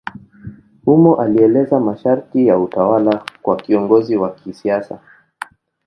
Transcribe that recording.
Humo alieleza masharti ya utawala kwa kiongozi wa kisiasa.